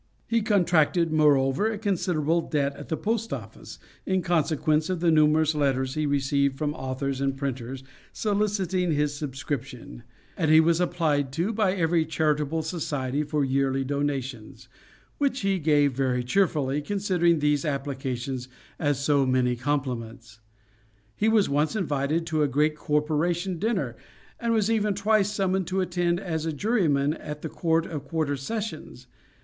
He contracted, moreover, a considerable debt at the postoffice, in consequence of the numerous letter he received from authors and printers soliciting his subscription and he was applied to by every charitable society for yearly donations, which he gave very cheerfully, considering these applications as so many compliments. He was once invited to a great corporation dinner; and was even twice summoned to attend as a juryman at the court of quarter sessions.